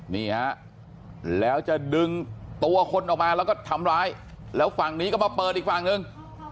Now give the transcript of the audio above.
นี่ฮะแล้วจะดึงตัวคนออกมาแล้วก็ทำร้ายแล้วฝั่งนี้ก็มาเปิดอีกฝั่งหนึ่ง